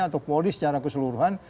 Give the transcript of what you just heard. atau poli secara keseluruhan